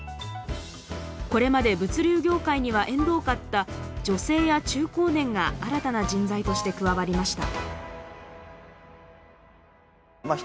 これまで物流業界には縁遠かった女性や中高年が新たな人材として加わりました。